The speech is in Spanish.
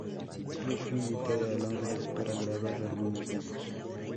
Tyler fue invitada a Londres para grabar algunos demos.